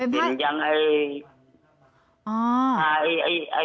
เป็นผ้า